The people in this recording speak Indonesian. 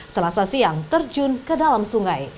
selasa siang terjun ke dalam sungai